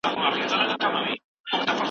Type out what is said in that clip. د خلکو پوهاوی د ټولنې د پرمختګ لامل کیږي.